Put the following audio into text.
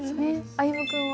歩夢君は？